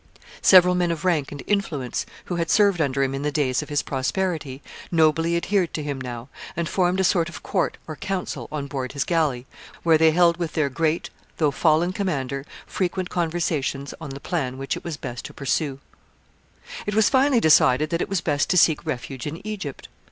Several men of rank and influence, who had served under him in the days of his prosperity, nobly adhered to him now, and formed a sort of court or council on board his galley, where they held with their great though fallen commander frequent conversations on the plan which it was best to pursue. [Sidenote: He seeks refuge in Egypt.] [Sidenote: Ptolemy and Cleopatra.] It was finally decided that it was best to seek refuge in Egypt.